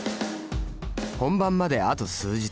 本番まであと数日。